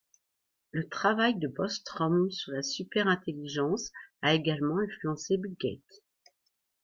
Le travail de Bostrom sur la superintelligence a également influencé Bill Gates.